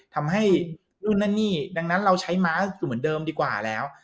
ทำให้นู่นนั่นนี่ดังนั้นเราใช้ม้าเหมือนเดิมดีกว่าแล้ว